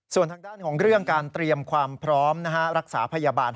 ส่วนทางด้านของเรื่องการเตรียมความพร้อมรักษาพยาบาล